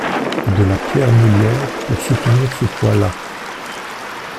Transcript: De la pierre meulière pour soutenir ce poids-là…